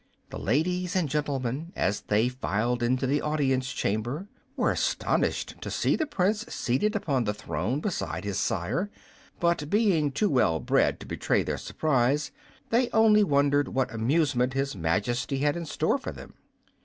The ladies and gentlemen, as they filed into the audience chamber, were astonished to see the Prince seated upon the throne beside his sire, but being too well bred to betray their surprise they only wondered what amusement His Majesty had in store for them.